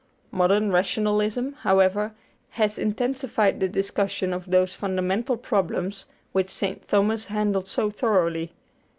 Modern rationalism, however, has intensified the discussion of those fundamental problems which St. Thomas handled so thoroughly.